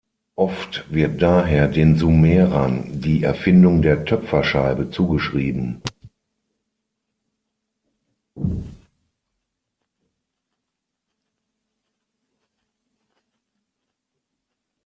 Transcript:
Oft wird daher den Sumerern die Erfindung der Töpferscheibe zugeschrieben.